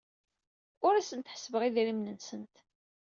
Ur asent-ḥessbeɣ idrimen-nsent.